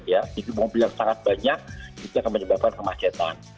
ya itu mobil yang sangat banyak itu akan menyebabkan kemacetan